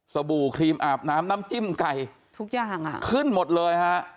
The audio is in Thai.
บู่ครีมอาบน้ำน้ำจิ้มไก่ทุกอย่างอ่ะขึ้นหมดเลยฮะ